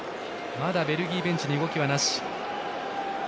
まだベルギーベンチの動きはなし。